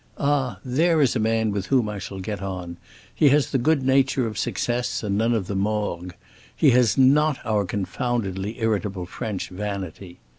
'Ah, there is a man with whom I shall get on. He has the good nature of success and none of the morgue; he has not our confoundedly irritable French vanity.